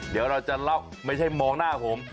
เดี๋ยวเราจะเล่าไม่ใช่มองหน้าผม